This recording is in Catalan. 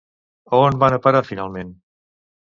A on van a parar finalment?